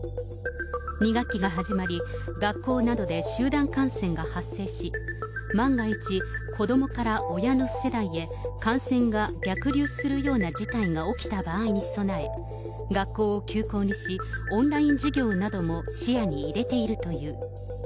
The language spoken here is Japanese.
２学期が始まり、学校などで集団感染が発生し、万が一、子どもから親の世代へ、感染が逆流するような事態が起きた場合に備え、学校を休校にし、オンライン授業なども視野に入れているという。